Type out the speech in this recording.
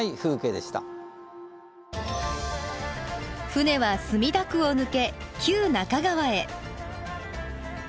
船は墨田区を抜け旧中川へ。